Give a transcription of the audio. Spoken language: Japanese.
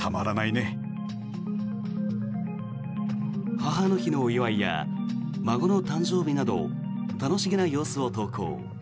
母の日の祝いや孫の誕生日など楽しげな様子を投稿。